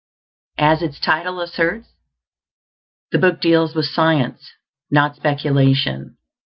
As its title asserts, the book deals with science, not speculation.